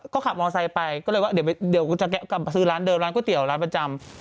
ก็ขับมอไซค์ไปก็เลยว่าเดี๋ยวกูจะกลับมาซื้อร้านเดิมร้านก๋วยเตี๋ยวร้านประจำ